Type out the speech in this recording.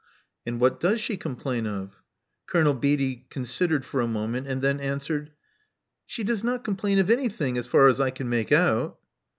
*' And what does she complain of?" Colonel Beatty considered for a moment, and then answered, '*She does not complain of anything, as far as I can make out."